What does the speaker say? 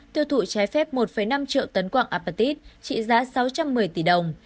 tiêu thụ trái phép một năm triệu tấn quạng apatit trị giá sáu trăm một mươi tỷ đồng